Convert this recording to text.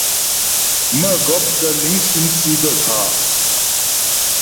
Mə́gɔp kə̂ liŋ shʉm sì gaə́ cwâ'a.